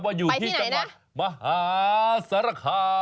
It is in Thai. อยู่ที่จังหวัดมหาสารคาม